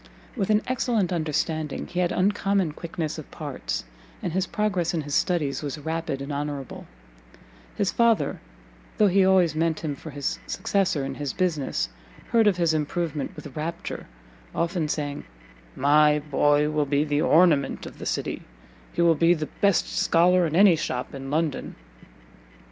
With an excellent understanding he had uncommon quickness of parts, and his progress in his studies was rapid and honourable: his father, though he always meant him for his successor in his business, heard of his improvement with rapture, often saying, "My boy will be the ornament of the city, he will be the best scholar in any shop in London."